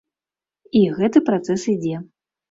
І гэты працэс ідзе.